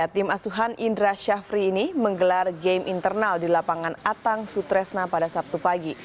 tim asuhan indra syafri ini menggelar game internal di lapangan atang sutresna pada sabtu pagi